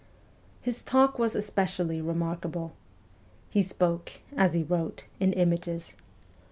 His talk was especially remarkable. He spoke, as he wrote, in images.